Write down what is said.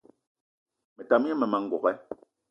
Me tam gne mmema n'gogué